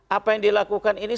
apa yang dilakukan ini